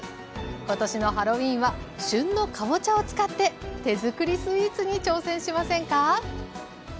今年のハロウィーンは旬のかぼちゃを使って手づくりスイーツに挑戦しませんか？